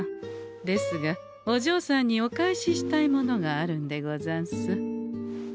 ですがお嬢さんにお返ししたいものがあるんでござんす。